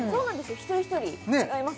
一人一人違います